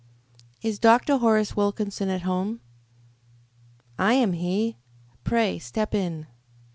"Is Dr. Horace Wilkinson at home?" "I am he. Pray step in."